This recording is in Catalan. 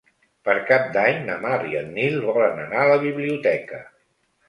Per Cap d'Any na Mar i en Nil volen anar a la biblioteca.